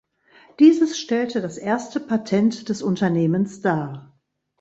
Dieses stellte das erste Patent des Unternehmens dar.